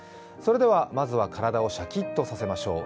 まずは体をシャキッとさせましょう。